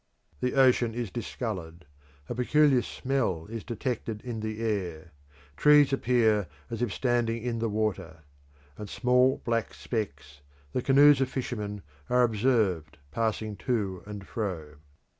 The ocean is discoloured; a peculiar smell is detected in the air; trees appear as if standing in the water; and small black specks, the canoes of fishermen, are observed passing to and fro.